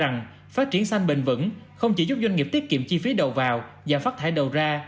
rằng phát triển xanh bền vững không chỉ giúp doanh nghiệp tiết kiệm chi phí đầu vào giảm phát thải đầu ra